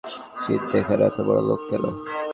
শিন্দে, এখানে এত লোক কেন?